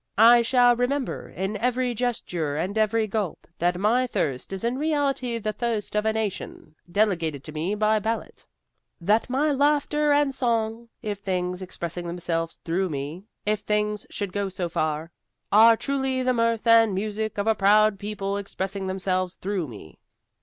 I shall remember, in every gesture and every gulp, that my thirst is in reality the Thirst of a Nation, delegated to me by ballot; that my laughter and song (if things should go so far) are truly the mirth and music of a proud people expressing themselves through me.